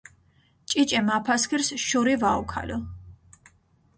ჭიჭე მაფასქირს შური ვაუქალჷ.